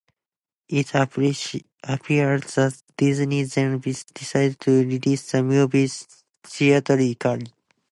It appears that Disney then decided to release the movie theatrically.